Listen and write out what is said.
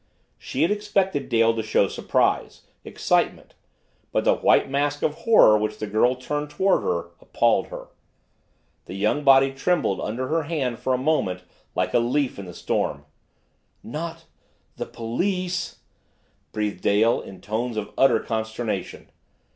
She had expected Dale to show surprise excitement but the white mask of horror which the girl turned toward her appalled her. The young body trembled under her hand for a moment like a leaf in the storm. "Not the police!" breathed Dale in tones of utter consternation.